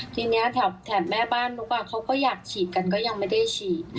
ทีนี้แถบแม่บ้านนุ๊กเขาก็อยากฉีดกันก็ยังไม่ได้ฉีด